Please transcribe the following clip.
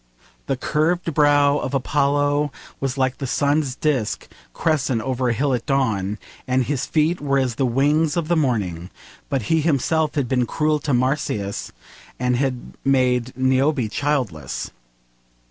The curved brow of Apollo was like the sun's disc crescent over a hill at dawn, and his feet were as the wings of the morning, but he himself had been cruel to Marsyas and had made Niobe childless.